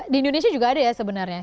di indonesia juga ada ya sebenarnya